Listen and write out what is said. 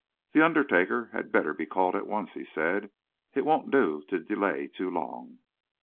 "The undertaker had better be called at once," he said. "It won't do to delay too long."